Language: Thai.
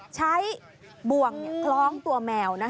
ใช้บ่วงคล้องตัวแมว